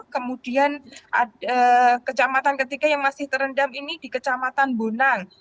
kemudian kecamatan ketiga yang masih terendam ini di kecamatan bonang